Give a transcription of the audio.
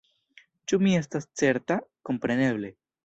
Ĉu mi estas certa? Kompreneble.